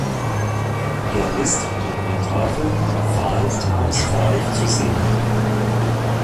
Er ist im Dokumentarfilm Five Times Five zu sehen.